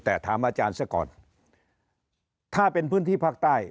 แต่ถามอาจารย์ซะก่อนถ้าเป็นพื้นที่ภาคใต้